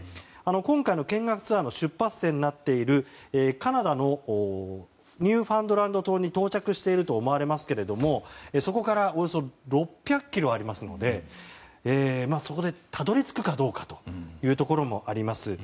今回の見学ツアーの出発点になっているカナダのニューファンドランド島に到着していると思われますがそこからおよそ６００ｋｍありますのでそこでたどり着くかどうかというところもあります。